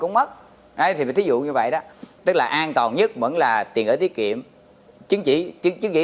cũng mất ai thì thí dụ như vậy đó tức là an toàn nhất vẫn là tiền ở tiết kiệm chứng chỉ chứng chỉ